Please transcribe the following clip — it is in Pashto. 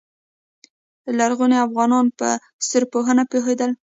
لرغوني افغانان په ستورپوهنه پوهیدل